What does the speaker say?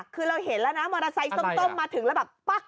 คือเราเห็นละนะมดรไซต์ส้มต้มมาถึงแล้วแบบป๊ะ